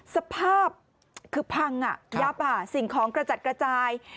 สภาพคือพังยับสิ่งของกระจัดกระจาย